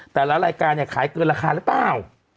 แต่ละรายการเนี่ยขายเกินราคาหรือเปล่า